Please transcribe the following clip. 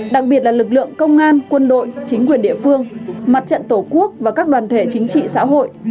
đặc biệt là lực lượng công an quân đội chính quyền địa phương mặt trận tổ quốc và các đoàn thể chính trị xã hội